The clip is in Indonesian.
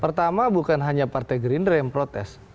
pertama bukan hanya partai gerindra yang protes